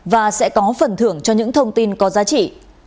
và sẽ có phần thưởng cho những thông tin có giá trị